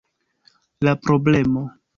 La problemo.